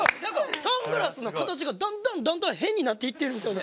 サングラスの形がだんだんだんだん変になっていってるんですよね。